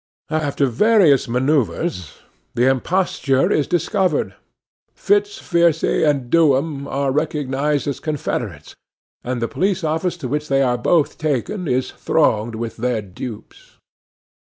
After various manœuvres, the imposture is discovered, Fitz Fiercy and Do'em are recognized as confederates, and the police office to which they are both taken is thronged with their dupes.